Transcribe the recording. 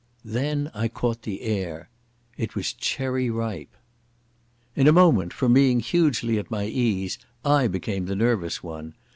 Then I caught the air. It was "Cherry Ripe". In a moment, from being hugely at my ease, I became the nervous one.